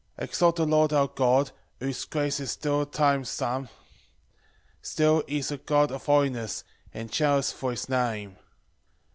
4 Exalt the Lord our God, Whose grace is still time same; Still he's a God of holiness, And jealous for his Name.